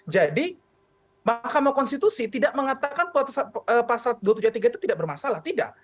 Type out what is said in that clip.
jadi makam konstitusi tidak mengatakan pasal dua ratus tujuh puluh tiga itu tidak bermasalah tidak